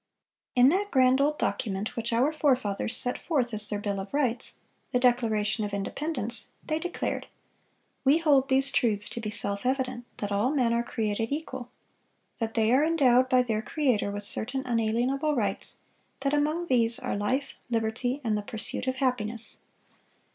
In that grand old document which our forefathers set forth as their bill of rights—the Declaration of Independence—they declared: "We hold these truths to be self evident, that all men are created equal; that they are endowed by their Creator with certain unalienable rights; that among these are life, liberty, and the pursuit of happiness."